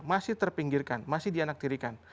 masih terpinggirkan masih dianaktirikan